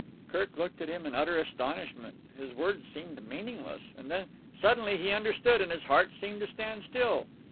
Kirk looked at him in utter astonishment. His words seemed meaningless. And then, suddenly, he understood, and his heart seemed to stand still.